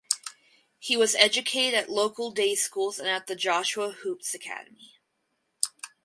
He was educated at local day schools and at the Joshua Hoopes Academy.